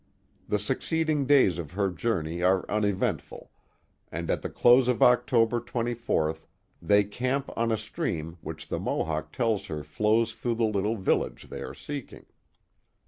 The succeeding days of her journey are unevent ful, and at the close of October 24th they camp on a stream which the Mohawk tells her flows through the little village they are seeking.